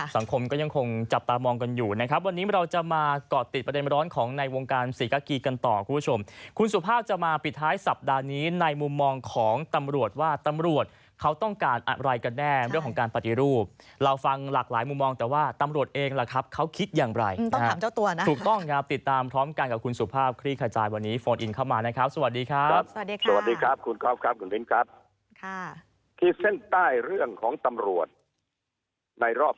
สังคมก็ยังคงจับตามองกันอยู่นะครับวันนี้เราจะมาเกาะติดประเด็นร้อนของในวงการศรีกะกีกันต่อคุณสุภาพจะมาปิดท้ายสัปดาห์นี้ในมุมมองของตำรวจว่าตำรวจเขาต้องการอะไรกันแน่เรื่องของการปฏิรูปเราฟังหลากหลายมุมมองแต่ว่าตำรวจเองล่ะครับเขาคิดอย่างไรต้องถามเจ้าตัวนะถูกต้องครับติดตามพร้อมก